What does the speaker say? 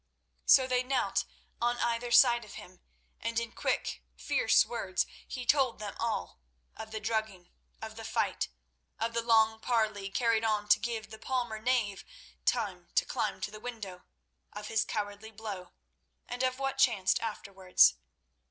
So they knelt on either side of him, and in quick, fierce words he told them all—of the drugging, of the fight, of the long parley carried on to give the palmer knave time to climb to the window; of his cowardly blow, and of what chanced afterwards.